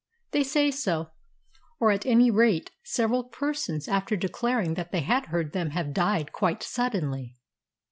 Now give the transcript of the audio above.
"They say so or, at any rate, several persons after declaring that they had heard them have died quite suddenly."